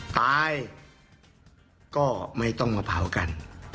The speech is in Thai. ตายก็ไม่ต้องมาเผากัน